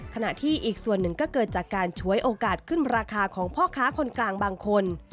ขณะที่อีกส่วนหนึ่งก็เกิดจากการฉวยโอกาสขึ้นราคาของพ่อค้าคนกลางบางคน